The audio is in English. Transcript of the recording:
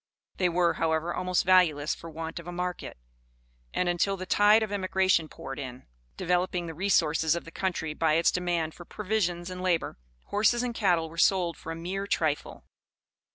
They were, however, almost valueless for want of a market; and, until the tide of emigration poured in, developing the resources of the country by its demand for provisions and labor, horses and cattle were sold for a mere trifle.